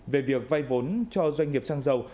về việc vay vốn cho doanh nghiệp sang giàu